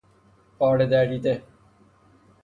پاره دریده